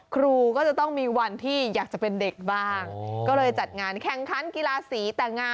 ครูก็จะต้องมีวันที่อยากจะเป็นเด็กบ้าง